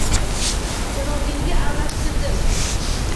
Sharobingga aralashtirdim